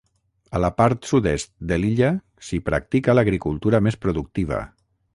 A la part sud-est de l'illa s'hi practica l'agricultura més productiva.